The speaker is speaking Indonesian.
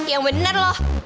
yang bener loh